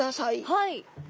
はい。